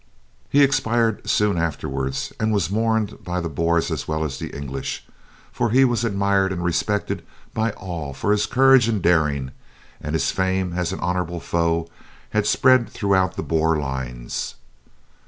He expired soon afterwards and was mourned by the Boers as well as the English, for he was admired and respected by all for his courage and daring, and his fame as an honourable foe had spread throughout the Boer lines.